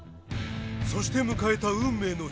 そして迎えた運命の日。